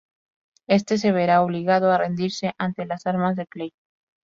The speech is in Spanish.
Éste se verá obligado a rendirse ante las armas de Clay.